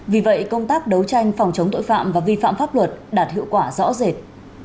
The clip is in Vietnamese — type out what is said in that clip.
vì vậy công tác đấu tranh phòng chống tội phạm và vi phạm pháp luật đạt hiệu quả rõ rệt